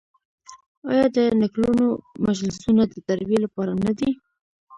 آیا د نکلونو مجلسونه د تربیې لپاره نه دي؟